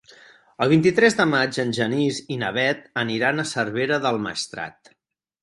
El vint-i-tres de maig en Genís i na Bet aniran a Cervera del Maestrat.